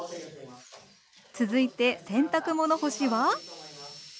続いて洗濯物干しは。